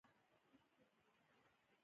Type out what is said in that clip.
افغانستان څومره کونډې او یتیمان لري؟